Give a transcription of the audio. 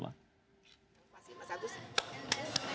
nah itu jago banget